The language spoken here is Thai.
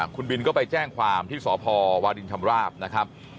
คุณบินก็ไปแจ้งความที่สพวาดินชำราบนะครับ